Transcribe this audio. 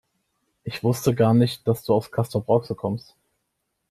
Ich wusste gar nicht, dass du aus Castrop-Rauxel kommst